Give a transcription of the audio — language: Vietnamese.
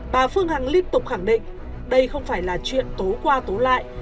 bà phương hằng liên tục khẳng định đây không phải là chuyện tối qua tố lại